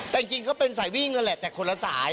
แต่จริงก็เป็นสายวิ่งนั่นแหละแต่คนละสาย